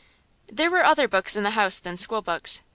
There were other books in the house than school books.